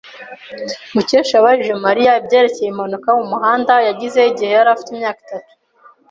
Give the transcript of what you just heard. Mukesha yabajije Mariya ibyerekeye impanuka yo mu muhanda yagize igihe yari afite imyaka itanu.